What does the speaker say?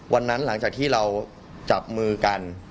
วันนั้นหลังจากที่เราจับมือกัน